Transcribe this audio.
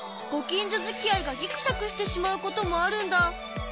ご近所づきあいがぎくしゃくしてしまうこともあるんだ。